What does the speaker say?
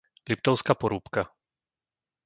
Liptovská Porúbka